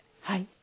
はい。